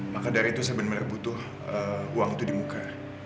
maka dari itu saya benar benar butuh uang itu di muka